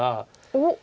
おっ！